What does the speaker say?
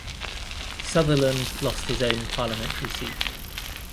Sutherland lost his own parliamentary seat.